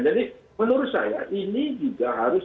jadi menurut saya ini juga harus